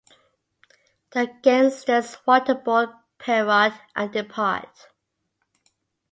The gangsters waterboard Pierrot and depart.